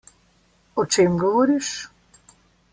O čem govoriš?